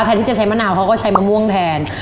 แทนที่จะใช้มะนาวเขาก็ใช้มะม่วงแทน